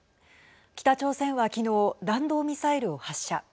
北朝鮮は昨日弾道ミサイルを発射。